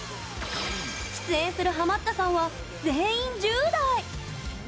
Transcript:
出演するハマったさんは全員１０代！